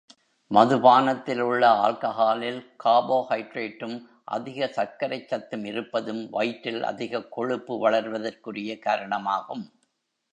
மதுபானத்தில் உள்ள ஆல்கஹாலில் கார்போஹைடிரேட்டும், அதிக சர்க்கரைச் சத்தும் இருப்பதும் வயிற்றில் அதிகக் கொழுப்பு வளர்வதற்குரிய காரணமாகும்.